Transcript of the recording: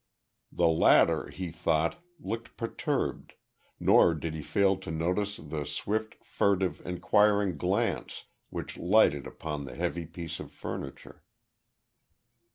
The latter, he thought, looked perturbed, nor did he fail to notice the swift, furtive, enquiring glance, which lighted upon the heavy piece of furniture.